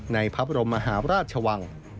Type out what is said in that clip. ในพับรมมหาราชวัง